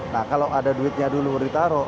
nah kalau ada duitnya dulu ditaruh